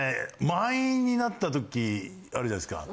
満員になったときあるじゃないですか。